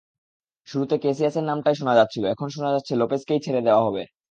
শুরুতে ক্যাসিয়াসের নামটাই শোনা যাচ্ছিল, এখন শোনা যাচ্ছে লোপেজকেই ছেড়ে দেওয়া হবে।